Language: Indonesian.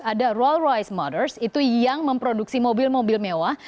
ada roll royce mothers itu yang memproduksi mobil mobil mewah